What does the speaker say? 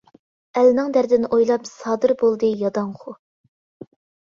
ئەلنىڭ دەردىنى ئويلاپ، سادىر بولدى ياداڭغۇ.